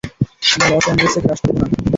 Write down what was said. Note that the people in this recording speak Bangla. আমরা লস অ্যাঞ্জেলসে ক্র্যাশ করব না!